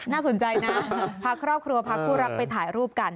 น่าสนใจนะพาครอบครัวพาคู่รักไปถ่ายรูปกัน